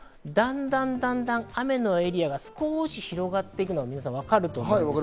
だんだん雨のエリアが少し広がっていくのがわかると思います。